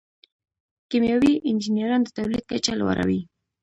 کیمیاوي انجینران د تولید کچه لوړوي.